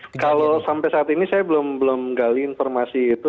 ya kalau sampai saat ini saya belum gali informasi itu